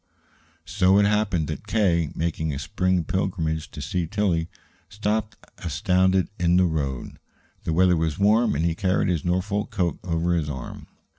So it happened that K., making a spring pilgrimage to see Tillie, stopped astounded in the road. The weather was warm, and he carried his Norfolk coat over his arm.